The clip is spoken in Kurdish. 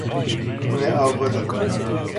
Hûn ê av bidin.